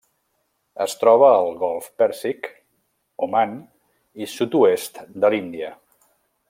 Es troba al Golf Pèrsic, Oman i sud-oest de l'Índia.